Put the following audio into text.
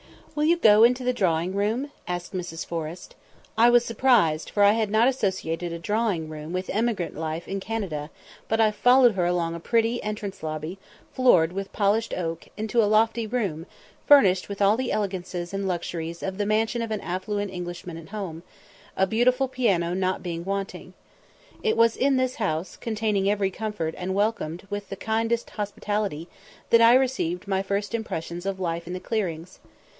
"Will you go into the drawing room?" asked Mrs. Forrest. I was surprised, for I had not associated a drawing room with emigrant life in Canada; but I followed her along a pretty entrance lobby, floored with polished oak, into a lofty room, furnished with all the elegances and luxuries of the mansion of an affluent Englishman at home, a beautiful piano not being wanting. It was in this house, containing every comfort, and welcomed with the kindest hospitality, that I received my first impressions of "life in the clearings."